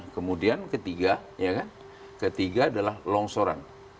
kemudian ketiga ketiga adalah longsoran